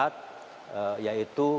yaitu bagaimana mengembangkan perusahaan